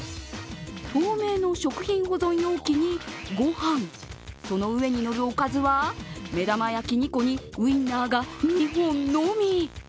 透明の食品保存容器に御飯、その上にのるおかずは、目玉焼き２個にウインナーが２本のみ。